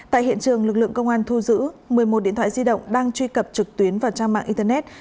tại hiện trường lực lượng công an thu giữ một mươi một điện thoại di động đang truy cập trực tuyến vào trang mạng internet